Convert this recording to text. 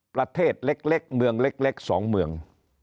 ประเทศเล็กเมืองเล็ก๒เมือง